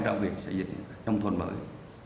trong việc xây dựng nông thôn mới